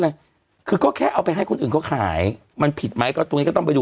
อะไรคือก็แค่เอาไปให้คนอื่นเขาขายมันผิดไหมก็ตรงนี้ก็ต้องไปดู